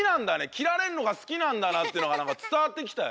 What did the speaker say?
きられるのがすきなんだなっていうのがつたわってきたよ。